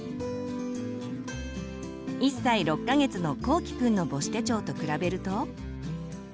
１歳６か月のこうきくんの母子手帳と比べると。